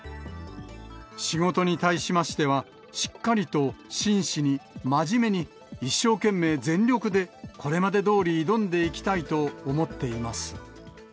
仕事に対しましては、しっかりと、真摯に、真面目に一生懸命全力でこれまでどおり挑んでいきたいと思っています。